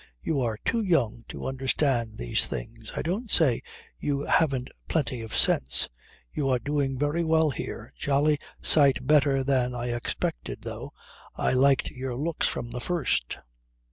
You are too young to understand these things. I don't say you haven't plenty of sense. You are doing very well here. Jolly sight better than I expected, though I liked your looks from the first.'